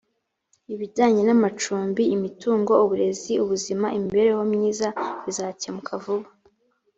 ibijyanye namacumbi imitungo uburezi ubuzima imibereho myiza bizakemuka vuba